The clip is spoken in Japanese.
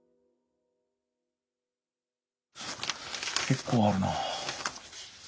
結構あるな。